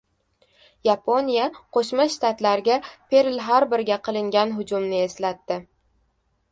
Yaponiya Qo‘shma Shtatlarga Perl-Harborga qilingan hujumni eslatdi